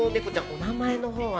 お名前のほうは？